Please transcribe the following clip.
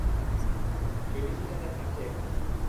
Babysitter আছে এখানে।